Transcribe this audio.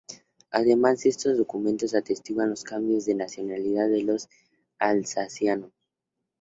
Además, estos documentos atestiguan los cambios de nacionalidad de los alsacianos.